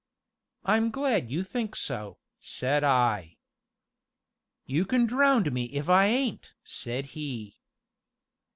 "I'm glad you think so," said I. "You can drownd me if it ain't!" said he.